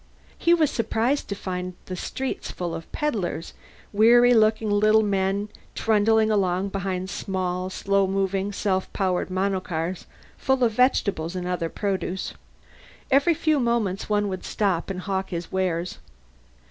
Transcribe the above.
He was surprised to find the streets full of peddlers, weary looking little men trundling along behind small slow moving self powered monocars full of vegetables and other produce. Every few moments one would stop and hawk his wares.